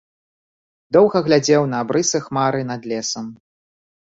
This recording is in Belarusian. Доўга глядзеў на абрысы хмары над лесам.